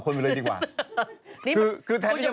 คอยว่าเหมือนกับฆ่าเราเลยใช่ไหม